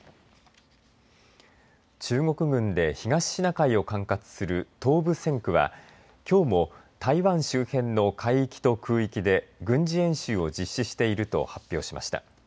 中国軍で東シナ海を管轄する東部戦区はきょうも台湾周辺の海域と空域で軍事演習を実施していると発表しました。